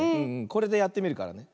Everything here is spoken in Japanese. これでやってみるからね。